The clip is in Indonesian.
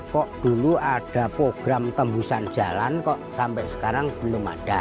kok dulu ada program tembusan jalan kok sampai sekarang belum ada